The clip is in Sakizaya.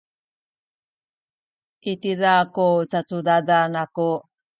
i tiza ku cacudadan aku.